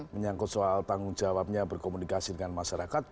menyangkut soal tanggung jawabnya berkomunikasi dengan masyarakat